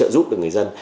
giúp được người dân